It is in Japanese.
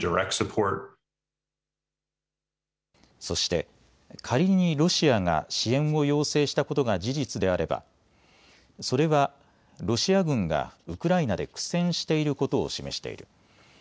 そして、仮にロシアが支援を要請したことが事実であればそれは、ロシア軍がウクライナで苦戦していることを示している。